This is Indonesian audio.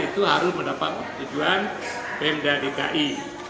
itu harus mendapatkan tujuan bpn dki